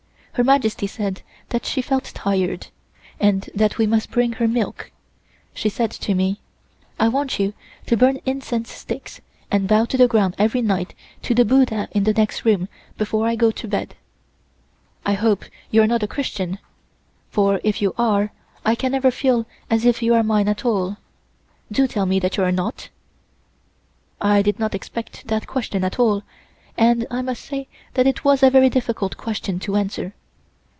Her Majesty said that she felt tired, and that we must bring her milk. She said to me: "I want you to burn incense sticks and bow to the ground every night to the Buddha in the next room before I go to bed. I hope you are not a Christian, for if you are I can never feel as if you are mine at all. Do tell me that you are not." I did not expect that question at all, and I must say that it was a very difficult question to answer.